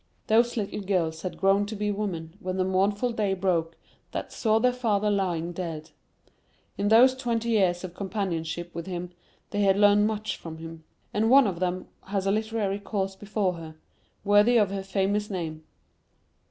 Those little girls had grown to be women when the mournful day broke that saw their father lying dead. In those twenty years of companionship with him they had learned much from him; and one of them has a literary course before her, worthy of her famous name.